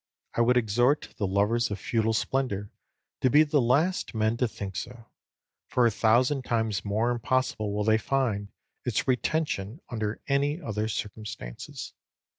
I would exhort the lovers of feudal splendour to be the last men to think so; for a thousand times more impossible will they find its retention under any other circumstances.